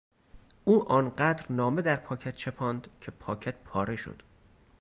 او آنقدر نامه در پاکت چپاند که پاکت پاره شد.